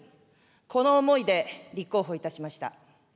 この思いで立候補いたしました。